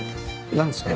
何ですか？